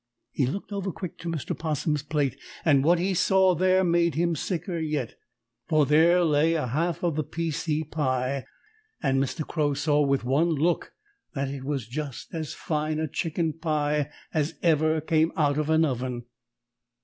He looked over quick to Mr. 'Possum's plate, and what he saw there made him sicker yet. For there lay a half of the P. C. pie, and Mr. Crow saw with one look that it was just as fine a chicken pie as ever came out of an oven.